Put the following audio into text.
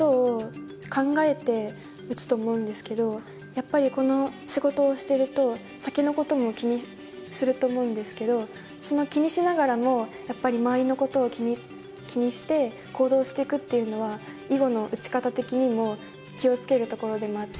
やっぱりこの仕事をしてると先のことも気にすると思うんですけど気にしながらもやっぱり周りのことを気にして行動していくっていうのは囲碁の打ち方的にも気を付けるところでもあって。